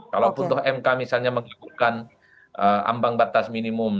kalau putuh mk misalnya mengikukan ambang batas minimum